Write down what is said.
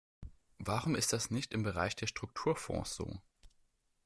Warum ist das nicht im Bereich der Strukturfonds so?